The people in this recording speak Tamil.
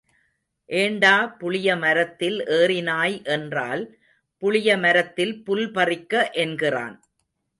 ஏண்டா புளிய மரத்தில் ஏறினாய் என்றால் புளிய மரத்தில் புல் பறிக்க என்கிறான்.